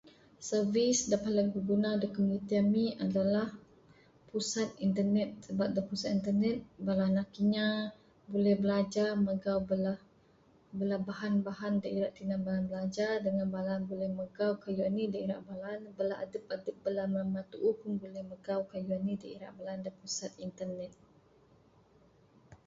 Servis da paling biguna da komuniti ami adalah pusat internet sebab, da pusat internet bala anak inya buleh bilajar magau bala, bala bahan bahan da ira tinan bala ne bilajar dangan bala buleh magau kayuh anih da ira bala ne, bala adep adep . Bala namba tuuh pun buleh magau anih da ira bala ne da pusat internet.